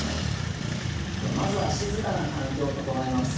まずは静かな環境を整えます。